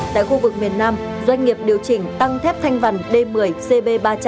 tại khu vực miền nam doanh nghiệp điều chỉnh tăng thép thanh vần d một mươi cb ba trăm linh